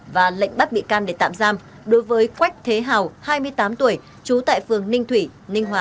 và lệnh bắt bị can để tạm giam đối với quách thế hào hai mươi tám tuổi trú tại phường ninh thủy ninh hòa